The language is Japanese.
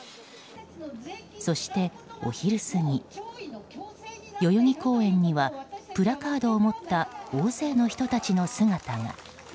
そして、お昼過ぎ代々木公園にはプラカードを持った大勢の人たちの姿が。